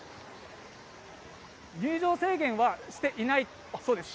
入場制限はしていないそうです。